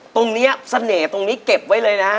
ตรงนี้เสน่ห์ตรงนี้เก็บไว้เลยนะ